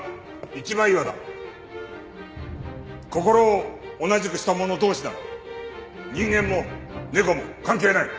心を同じくした者同士なら人間も猫も関係ない。